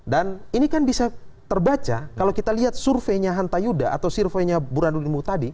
dan ini kan bisa terbaca kalau kita lihat surveinya hanta yuda atau surveinya buradul limu tadi